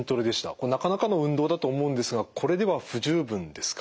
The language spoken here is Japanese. これなかなかの運動だと思うんですがこれでは不十分ですか？